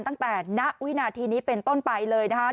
ตั้งแต่ณวินาทีนี้เป็นต้นไปเลยนะคะ